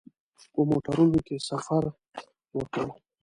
په موټرونو کې سفر وکړ.